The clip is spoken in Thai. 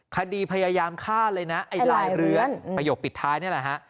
คดีพยายามฆ่าเลยนะไอ้ลายเรือนประโยคปิดท้ายนี่แหละฮะ